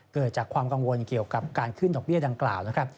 เกิดจากความกังวลเกี่ยวกับการขึ้นดอกเบี้ยดังกล่าวนะครับ